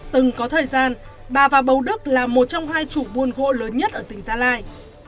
từng có thời gian bà và bầu đức là một trong hai chủ buôn gỗ lớn nhất ở tỉnh gia lai